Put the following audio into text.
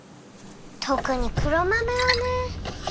特に黒豆はね。